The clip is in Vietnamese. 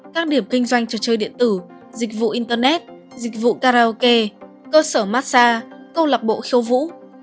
các điểm kinh doanh trò chơi điện tử dịch vụ internet dịch vụ karaoke cơ sở massage câu lạc bộ khiêu vũ